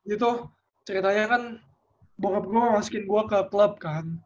itu ceritanya kan bokap gue mau masukin gue ke club kan